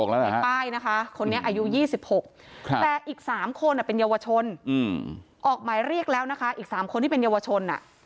และอีกสามคนที่เป็นเยาวชนออกหมายเรียกแล้วนะคะ